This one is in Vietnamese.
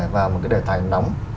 vào một đề tài nóng